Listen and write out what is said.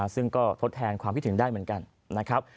ซึ่งก็ทดแทนความคิดถึงได้เหมือนกันนะครับ